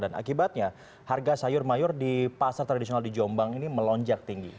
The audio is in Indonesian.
dan akibatnya harga sayur mayur di pasar tradisional di jombang ini melonjak tinggi